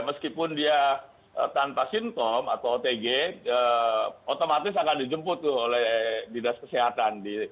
meskipun dia tanpa sintom atau otg otomatis akan dijemput tuh oleh dinas kesehatan